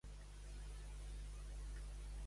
En quin periòdic ha treballat?